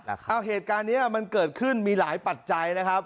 เอาเหตุการณ์นี้มันเกิดขึ้นมีหลายปัจจัยนะครับ